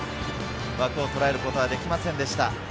枠をとらえることはできませんでした。